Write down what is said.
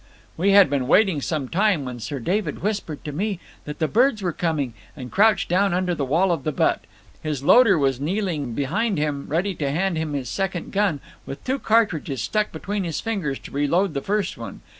"We had been waiting some time, when Sir David whispered to me that the birds were coming, and crouched down under the wall of the butt. His loader was kneeling behind him ready to hand him his second gun, with two cartridges stuck between his fingers to reload the first one.